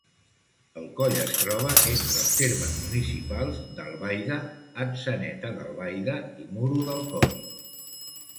El coll es troba entre els termes municipals d'Albaida, Atzeneta d'Albaida i Muro d'Alcoi.